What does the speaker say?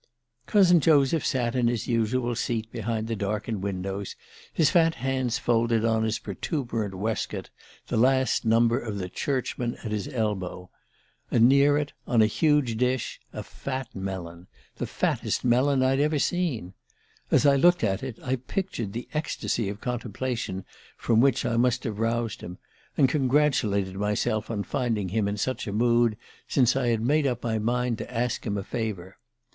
"Cousin Joseph sat in his usual seat, behind the darkened windows, his fat hands folded on his protuberant waistcoat, the last number of the Churchman at his elbow, and near it, on a huge dish, a fat melon the fattest melon I'd ever seen. As I looked at it I pictured the ecstasy of contemplation from which I must have roused him, and congratulated myself on finding him in such a mood, since I had made up my mind to ask him a favour.